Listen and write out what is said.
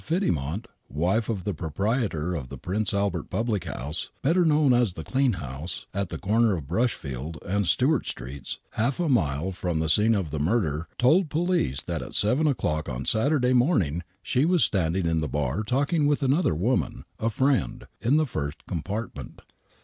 Fiddymont, wife of the j^roprietor of the Prince Albert public house, better known as the " Clean House," at the corner of Brushfield and Stewart Streets, half a mile from the scene of the mui'der, told the police that at 7 o'clock on Saturday morning she was standing in the bar talking with another woman, a friend, in the first compartment.